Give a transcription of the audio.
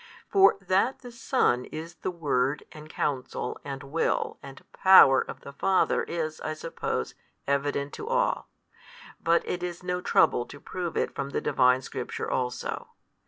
For that the Son is the Word and Counsel and Will and Power of the Father is, I suppose, evident to all: but it is no trouble to prove it from the Divine Scripture also.